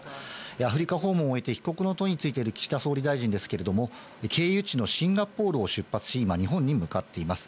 アフリカ訪問を終えて、帰国の途に就いている岸田総理大臣ですけれども、経由地のシンガポールを出発し、今、日本に向かっています。